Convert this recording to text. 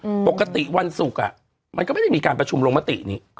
ปกติวันศุกร์อ่ะมันก็ไม่ได้มีการประชุมลงมตินี้